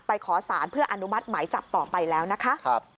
ขอสารเพื่ออนุมัติหมายจับต่อไปแล้วนะคะ